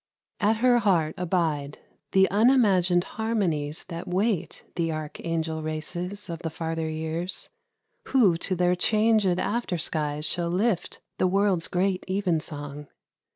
At her heart abide The unimagined harmonies that wait The archangel races of the farther years, Who to their changed after skies shall lift The world's great evensong.